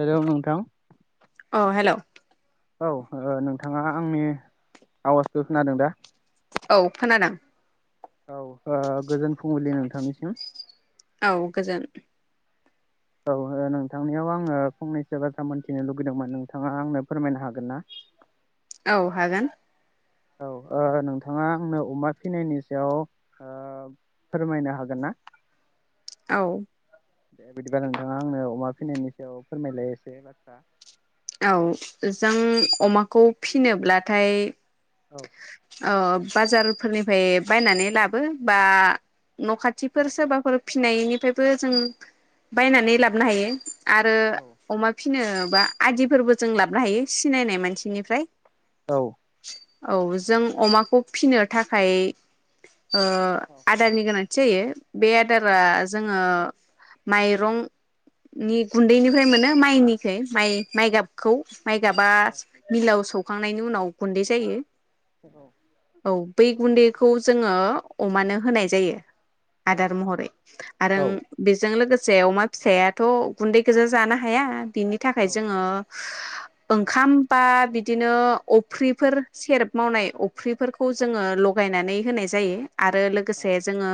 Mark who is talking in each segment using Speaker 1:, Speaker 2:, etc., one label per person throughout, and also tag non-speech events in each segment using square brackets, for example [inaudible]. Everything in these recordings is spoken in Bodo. Speaker 1: हेल नोंथां
Speaker 2: औ हेल
Speaker 1: औ ओ नोंथाङा आंनि आवाजखो खोनादों दा
Speaker 2: औ खोनादों
Speaker 1: औ ओ गोजोन फुंबिलि नोंथांनिसिम
Speaker 2: औ गोजोन
Speaker 1: औ नोंथांनियाव आङो फंनैसो बाथ्रा मोन्थिनो लुगैदोंमोन नोंथाङा आंनो फोरमायनो हागोन ना [inaudible]
Speaker 2: औ हागोन
Speaker 1: औ ओ नोंथाङा आंनो अमा फिसिनायनि सायाव ओ फोरमायनो हागोन ना
Speaker 2: औ
Speaker 1: दे बिदिबा नोंथाङा आंनो अमा फिनायनि सायाव फोरमायलाय एसे बाथ्रा
Speaker 2: औ जों अमाखौ फिनोब्लाथाय
Speaker 1: औ
Speaker 2: औ बाजारफोरनिफ्राय बायनानै लाबो बा न'
Speaker 1: औ
Speaker 2: खाथिफोर सोरबाफोर फिनायनिफ्रायबो जों बायनानै लाबोनो हायो आरो
Speaker 1: औ
Speaker 2: अमा फिनोबा आदिफोरबो जों लाबोनो हायो सिनायनाय मानसिनिफ्राय
Speaker 1: औ
Speaker 2: औ जों अमाखौ फिनो थाखाय ओ
Speaker 1: औ
Speaker 2: आदारनि गोनांथि जायो बे
Speaker 1: औ
Speaker 2: आदारा जोङो माइरंनि गुन्दैनिफ्राय मोनो माइनिखै माइ माइ गाबखौ माइ गाबा
Speaker 1: औ
Speaker 2: मिलाव सौखांनायनि उनाव गुन्दै जायो
Speaker 1: औ
Speaker 2: औ बै गुन्दैखौ जोङो अमानो होनाय जायो आदार महरै आरो
Speaker 1: औ
Speaker 2: बेजों लोगो से अमा फिसायाथ' गुन्दै गोजा जानो हाया बिनि थाखाय जोङो ओंखाम बा बि बिदिनो अफ्रिफोर सेरेब मावनाय अफ्रिफोरखौ जोङो लगायनानै होनाय जायो आरो लोगोसे जोङो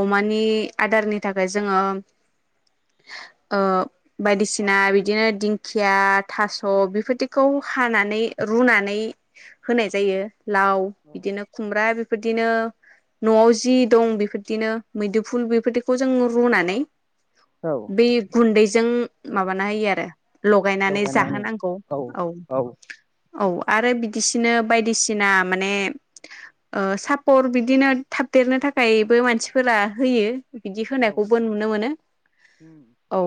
Speaker 2: अमानि आदारनि थाखाय जोङो ओ बायदिसिना बिदिनो दिंखिया थास बेफोरदिखौ हानानै रुनानै होनाय जायो लाव बिदिनो खुमब्रा बेफोरदिनो नआव जि दं बेफोरदिनो मैदुफुल बेफोरदिखौ जों रुनानै
Speaker 1: औ
Speaker 2: बेै गुन्दैजों माबाना होयो आरो लगायनानै जाहोनांगौ औ औ आरो बिदिसिनो बायदिसिना माने ओ सापर बिदिनो थाबदेरनो थाखायबो मानसिफोरा होयो बिदि
Speaker 1: औ
Speaker 2: होनायखौबो नुनो मोनो
Speaker 1: उम
Speaker 2: औ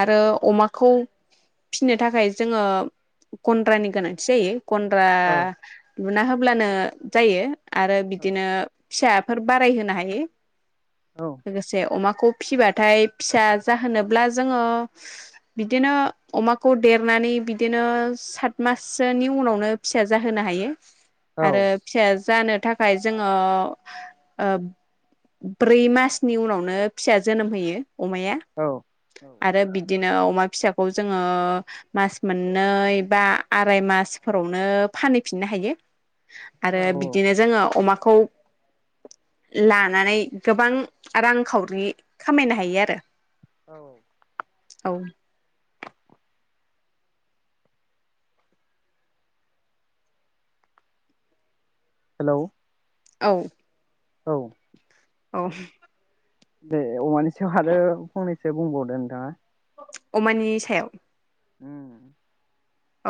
Speaker 2: आरो अमाखौ फिनो थाखाय जोङो गन्द्रानि गोनांथि जायो गन्द्रा
Speaker 1: औ
Speaker 2: लुना होब्लानो जायो आरो
Speaker 1: औ
Speaker 2: बिदिनो फिसाफोर बाराय होनो हायो
Speaker 1: औ
Speaker 2: लोगोसे अमा खौ फिसिबाथाय फिसा जाहोनोब्ला जोङो बिदिनो अमाखौ देरनानै बिदिनो सात माससोनि उनावनो फिसा जाहोनो हायो
Speaker 1: औ
Speaker 2: आरो फिसाया जानो थाखाय जोङो ओ ब्रै मासनि उनावनो फिसा जोनोम होयो अमाया आरो बिदिनो अमा फिसा खौ जोङो मास मोननै बा आराय मासफोरावनो फानहैफिननो हायो आरो
Speaker 1: औ
Speaker 2: बिदिनो जोङो अमाखौ लानानै गोबां रांखावरि खामायनो हायो आरो
Speaker 1: औ
Speaker 2: औ
Speaker 1: हेल
Speaker 2: औ
Speaker 1: औ
Speaker 2: औ
Speaker 1: दे अमानि सायाव आरो फंनैसो बुंबावदो नोंथाङा
Speaker 2: अमानि सायाव
Speaker 1: उम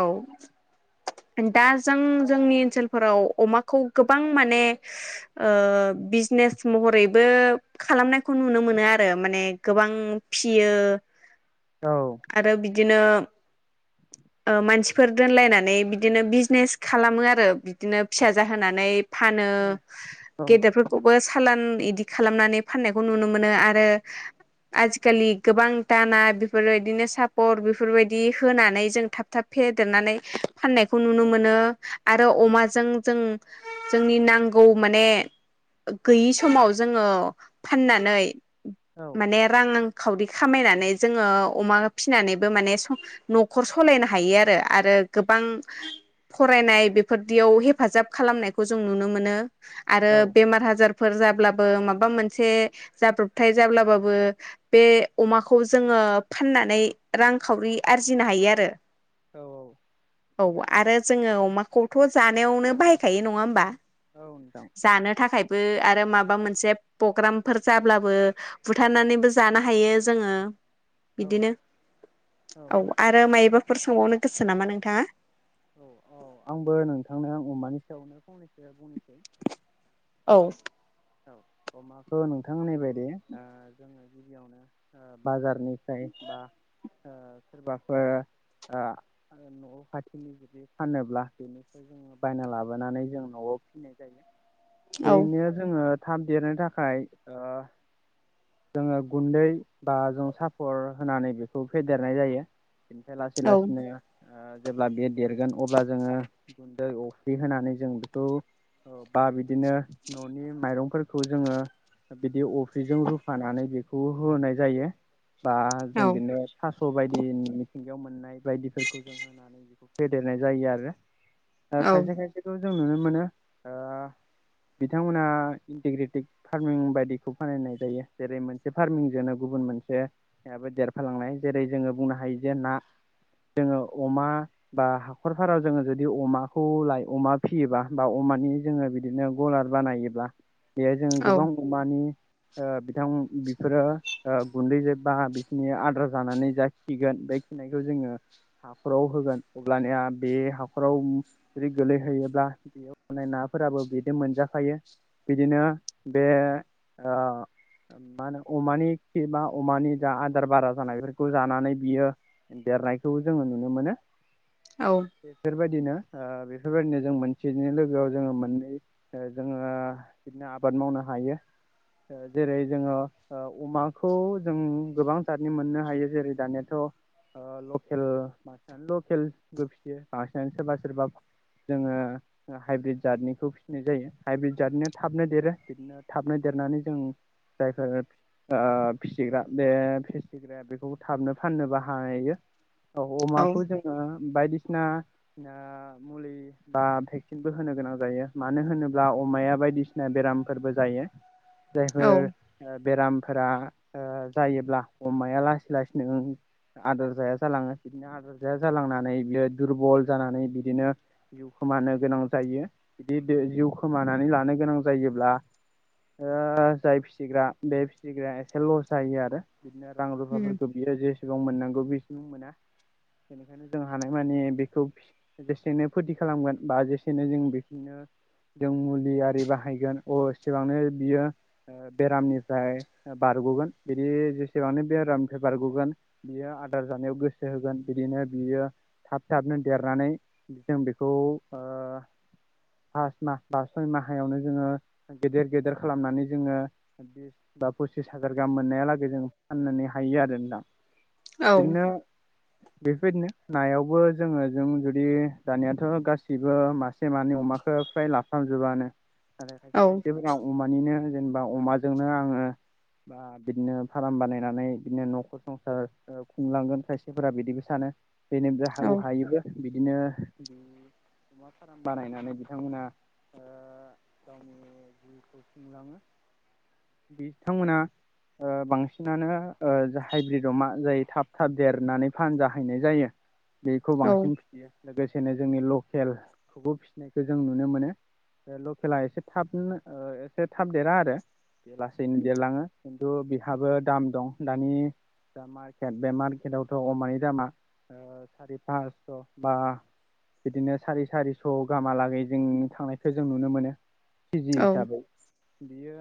Speaker 2: औ दा जों जोंनि ओनसोलफोराव अमाखौ गोबां माने ओ बिजनेस महरैबो खालामनायखौ नुनो मोनो आरो माने गोबां फियो।
Speaker 1: औ
Speaker 2: आरो बिदिनो ओ मानसिफोर दोनलायनानै बिदिनो बिजनेस खालामो आरो बिदिनो फिसा जाहोनानै। फानो
Speaker 1: औ औ
Speaker 2: गेदेरफोरखौबो सालान इदि खालामनानै फाननायखौ नुनो मोनो आरो। आजिखालि गोबां दाना बेफोरबायदिनो सापर्ट बेफोरबायदि होनानै जों थाब थाब फेदेरनानै फाननायखौ नुनो मोनो आरो अमाजों जों जोंनि नांगौ माने गैयि समाव जोङो फाननानै रां खावरि खामायनानै जोङो अमा फिसिनानैबो माने न'खर सालायनो हायो आरो आरो गोबां फरायनाय बेफोरदियाव हेफाजाब खालामनायखौ जों नुनो मोनो। आरो बेमार आजारफोर जाब्लाबो माबा मोनसे जाब्र'बथाय। जाब्लाबाबो बे अमाखौ जोङो फाननानै रांखावरि आरजिनो हायो आरो। आरो
Speaker 1: औ-औ
Speaker 2: औ आरो जोङो अमाखौथ' जानायावनो बाहायखायो नङा होमबा।
Speaker 1: औ नोंथां।
Speaker 2: जानो थाखायबो आरो माबा मोनसे प्रग्रामफोर जाब्लाबो बुथारनानैबो जानो हायो जोङो।
Speaker 1: औ
Speaker 2: बिदिनो औ आरो मायबाफोर सोंबावनो गोसो नामा नोंथाङा?
Speaker 1: औ औ नों फंनैसै बुंनोसै
Speaker 2: औ
Speaker 1: औ अमाखौ नोंथांमोननाय बायदि जोङो गिबियावनो बाजारनिफ्राय बा सोरबाफोर न' खाथिनि जुदि फानोब्ला बेनिफ्राय जोङो बायना लाबोनानै जों न'आव फिनाय जायो
Speaker 2: औ
Speaker 1: बेैनो जोङो थाब देरनो थाखाय जोङो गुन्दै बा जों साफर होनानै बेखौ फेदेरनाय जायो। बेनिफ्राय लासै
Speaker 2: औ
Speaker 1: लासैनो जेब्ला बे देरगोन अब्ला जोङो गुन्दै अफ्रि होनानै जों बेखौ औ बा बिदिनो न' ननि माइरंफोरखौ जोङो बिदि अफ्रिजों रुफानानै बेखौ होनाय जायो। बा जों
Speaker 2: औ
Speaker 1: बिदिनो थास' बायदि मि थिंगायाव मोननाय बायदिफोरखौ जों होनानै बेखौ फेदेरनाय जायो आरो खायसे खायसेखौ जों नुनो मोनो। बिथांमोना इन्टिग्रेटेड फार्मिं बायदिखौ बानायनाय जायो जेरै मोनसे फार्मिंजोंनो गुबुन मोनसे बो देरफालांनाय जेरै जोङो बुंनो हायो जे ना जोङो अमा बा हाखर फाराव जोङो जुदि अमाखौ लायो बा अमा फिसियोबा बा मानि जोङो बिदिनो गलार बानायोब्ला बेयो जोङो
Speaker 2: औ
Speaker 1: गोबां अमानि बिथां बिफोरो गुन्दैजोंबा बिसिनि आदार जानानै जा खिगोन खिनायखौ जोङो हाखराव होगोन अब्लानिया बे हाखराव जुदि गोलैहोयोब्ला बेयाव थानाय ना फोराबो बिदि मोनजाफायो बिदिनो बे मा होनो अमानि खि बा अमानि जा आदार बारा जानाय बेफोरखौ जानानै बियो देरनायखौ जोङो नुनो मोनो। बेफोरबायदिनो बेफोरबायदिनो जों मोनसेनि लोगोआव जोङो मोननै जोङो बिदिनो आबाद मावनो हायो। जेरै जोङो अमाखौ जों गोबां जादनि मोननो हायो जेरै दानियाथ' लकेल बांसिनानो लकेलबो फियो बांसिनानो सोरबा सोरबा जोङो हाइब्रिद जादनिखौ फिनाय जायो हाइब्रिद जादनो थाबनो देरो बिदिनो थाबनो देरनानै जों जायफोर फिसिग्रा बे फिसिग्राया बेखौ थाबनो फाननोबो हायो औ अमाखौ जोङो बायदिसिना मुलि बा भेक्सिनबो होनो गोनां जायो मानो होनोब्ला अमाया बायदिसिना बेरामफोरबो जायो
Speaker 2: औ
Speaker 1: जायफोर बेरामफोरा जायोब्ला अमाया लासै लासैनो आदार जाया जालाङो बिदिनो आदार जाया जालांनानै बियो दुरबल जानानै बिदिनो खोमानो गोनां जायो बिदि जिउ खोमानानै लानो गोनां जायोब्ला जाय फिसिग्रा बे फिसिग्राया एसे लस जायो आरो बिदिनो रां रुफाफोरखौ बियो जेसेबां मोननांगौ बेसेबां मोना बेनिखायनो जों हानाय मानि बेखौ जेसेनो फोथि खालामगोन बा जेसेनो जों बे बिनो जों मुलि आरि बाहायगोन अ सिबांनो बियो ओ बेरामनिफ्राय बार गगोन जुदि जेसेबांनो बेरामनिफ्राय बारग'गोन बियो आदार जानायाव गोसो होगोन बिदिनो बि बियो थाब थाबनो देरनानै जों बेखौ ओ फास माह बा सय माहायावनो जोङो गेदेर गेदेर खालामनानै जोङो बिस बा फसिस फसिस हाजार गाहाम मोननायालागै जों फाननो हायो आरो दा
Speaker 2: औ
Speaker 1: बिदिनो बेफोरदिनो नायावबो जोङो जों जुदि दानायाथ' गासिबो मासे मानि अमाखो फ्राय लाफ्रामजोबानो नाथाय खायसे
Speaker 2: औ
Speaker 1: खायसेबो आं अमानिनो जेनेबा अमाजोंनो आङो बा बिदिनो फार्म बानायनानै बिदिनो न'खर संसार खुंलांगोन खायसेफोरा बिदिबो सानो जनोब हा
Speaker 2: औ
Speaker 1: हायोबो बिदिनो फार्म बानायनानै बिथांमोना गावनि जिउखौ खुंलाङो बिथांमोना ओ बांसिनानो ओ हाइब्रिद अमा जाय थाब थाब देरनानै फानजाहैनाय जायो बेखौ
Speaker 2: औ
Speaker 1: बांसिन फिसियो लोगोसेनो जोंनि लकेलखौबो फिसिनायखौ जों नुनो मोनो लकेला एसे थाबनो ओ एसे थाब देरा आरो बेलासेैनो देरलाङो खिन्थु बेहाबो दाम दं दानि दा मार्केट बे मार्केटआवथ' अमानि दामा ओ सारि फास्स' बा बिदिनो सारि सारि स' गाहामालागै जों थांनायखौ जों नुनो मोनो केजि
Speaker 2: औ
Speaker 1: हिसाबै बियो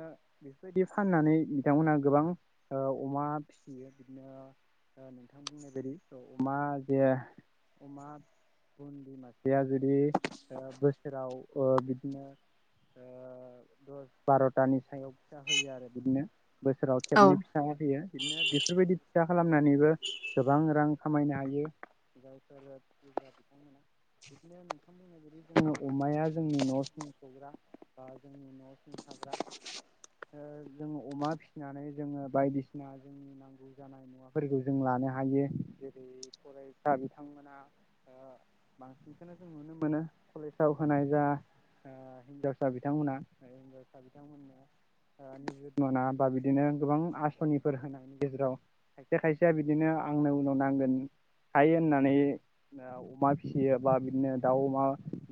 Speaker 1: बेफोरबायदि फाननानै बिथांमोनहा गोबां ओ अमा फिसियो बिदिनो ओ नोंथां बुंनाय बायदि अमा जे अमा बुन्दि मासेया जुदि ओ बोसोराव ओ बिदिनो ओ दस बार'थानि सायाव फिथा होयो आरो बिदिनो बोसोराव
Speaker 2: औ
Speaker 1: खेबनै फिसा होयो बिदिनो बेफोरबायदि फिसा खालामनानैबो गोबां रां खामायनो हायो गावखौ फिग्रा बिथांमोना बेखाययो नोंथां बुंनाय बादि जोंङो अमाया जोंनि न'सिम सग्रा बा जोंनि न'सिम थाग्रा ओ जोंङो अमा फिसिनानै जोङो बायदिसिना जोंनि नांगौ जानाय मुवाफोरखौ जों ला लानो हायो जेरै फरायसा बिथांमोना बांसिनखौनो नुनो मोनो कलेजाव होनाय जा ओ हिनजावसा बिथांमोनहा हिनजावसा बिथांमोननो निजुत मइना बा बिदिनो गोबां आसनिफोर होनायनि गेजेराव खायसे खायसेया बिदिनो आंनो उनाव नांगोन हायो होननानै ओ अमा फिसियो बा बिदिनो दाउ अमा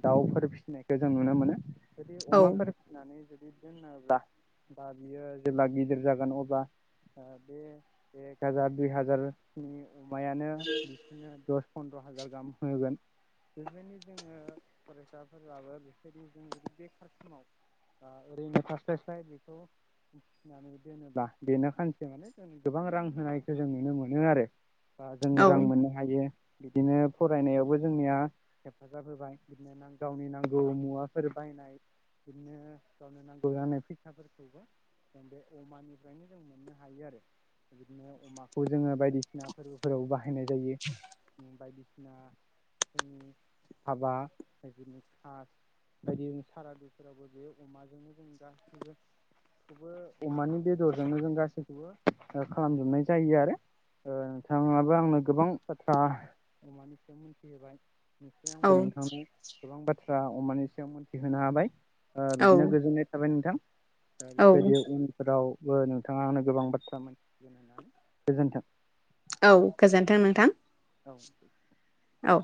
Speaker 1: दाउफोर फिसिनायखौ जों नुनो मोनो जदि
Speaker 2: औ
Speaker 1: अमाफोर फिसिनानै ज बि दोनोब्ला बा बियो जेब्ला गिदिर जागोन अब्ला बे एक हाजार दुइ हाजारनि अमायानो बिसोरनो दस फन्द्र' हाजार गाहाम होगोन बेखायनो जोङो फरायसाफोराबो बिसोरनि जों जुदि बेखार समाव ओरैनो थास्लाय स्लाय बेखौ फिनानै दोनोब्ला बेनो सानसे माने जों गोबां रां होनायखौ जों नुनो मोनो आरो बा जों
Speaker 2: औ
Speaker 1: रां मोननो हायो बिदिनो फरायनायावबो जोंनिया हाजाब होबाय बिदिनो न गावनि नांगौ मुवाफोर बायनाय बिदिनो गावनो नांगौ जानाय फैसाफोरखौबो जों बे अमानिफ्रायनो जों मोननो हायो आरो बिदिनो अमाखौ जोङो बायदिसिना फोरबोफोराव बाहायनाय जायो बायदिसिना जोंनि हाबा बिनि खास बायदि सारादुफोरावबो बेयो अमाजोंनो जों गासैबो खौबो अमानि बेदरजोंनो जों गासैखौबो ओ खालामजोबनाय जायो आरो। ओ नोंथाङाबो आंनो गोबां बाथ्रा अमानि सायाव मोनथिहोबाय आमफ्राय आंबो नोंथांनो गोबां बाथ्रा अमानि सायाव मोनथिहोनो हाबाय। ओ बिदिनो
Speaker 2: औ
Speaker 1: गोजोननाय थाबाय नोंथां। बेफोरबायदि उनफोराव बो नोंथाङा आंनो गोबां बाथ्रा मिथिहोगोन होननानै गोजोनथों।
Speaker 2: औ गोजोन्थों नोंथां।
Speaker 1: औ गोजोन्थों।
Speaker 2: औ।